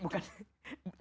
itu kan boleh bukan